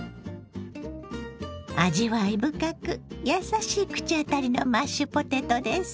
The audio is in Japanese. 味わい深く優しい口当たりのマッシュポテトです。